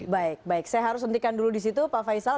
baik baik saya harus hentikan dulu disitu pak faisal